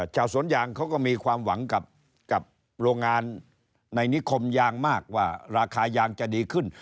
ชาวสวนยางเขาก็มีความหวังกับโรงงานในนิคมยางมากว่าราคายางจะดีขึ้น